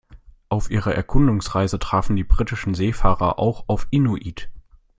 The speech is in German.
Auf ihrer Erkundungsreise trafen die britischen Seefahrer auch auf Inuit.